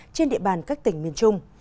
trên địa bàn các tỉnh miền trung